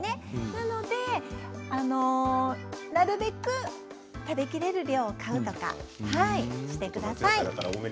なのでなるべく食べきれる量を買うとかしてください。